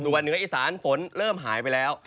วันเหนืออีสานฝนเริ่มหายไปแล้ว